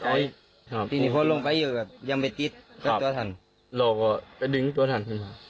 ที่นี่พ่อลงไปอยู่ก็ยังไม่ติดตัวท่าน